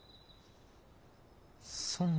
そんな。